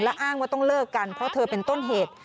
และอ้างว่าต้องเลิกกันเพราะเธอเป็นต้นเหตุ